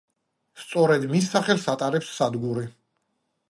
სწორედ მის სახელს ატარებს სადგური.